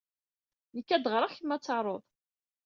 Nekk ad d-ɣreɣ, kemm ad tarud.